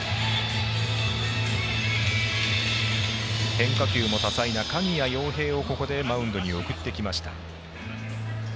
変化球も多彩な鍵谷陽平をここでマウンドに送ってきました。